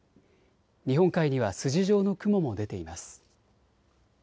日本海には筋状の雲も出ています。